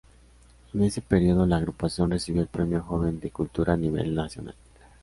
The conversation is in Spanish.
En ese período la agrupación recibió el Premio Joven de Cultura a nivel nacional.